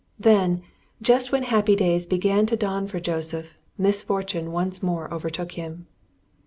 Then, just when happy days began to dawn for Joseph, misfortune once more overtook him.